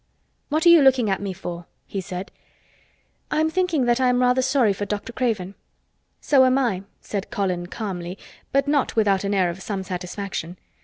"What are you looking at me for?" he said. "I'm thinking that I am rather sorry for Dr. Craven." "So am I," said Colin calmly, but not without an air of some satisfaction.